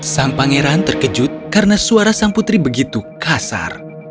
sang pangeran terkejut karena suara sang putri begitu kasar